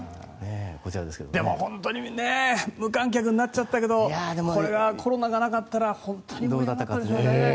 でも、本当に無観客になっちゃったけどこれがコロナがなかったら本当に盛り上がったでしょうね。